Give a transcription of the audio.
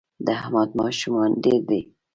د احمد ماشومان ډېر دي